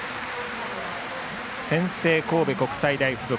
先制、神戸国際大付属。